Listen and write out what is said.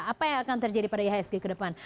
apa yang akan terjadi pada ihsg ke depan